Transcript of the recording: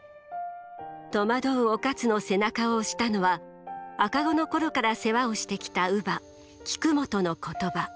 戸惑う於一の背中を押したのは赤子の頃から世話をしてきた乳母菊本の言葉。